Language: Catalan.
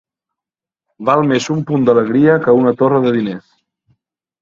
Val més un punt d'alegria que una torre de diners.